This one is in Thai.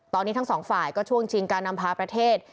ตอนนี้ทั้งสองฝ่ายก็ช่วงชิงการนำพาประเทศ